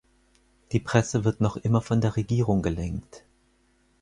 Die Presse wird noch immer von der Regierung gelenkt.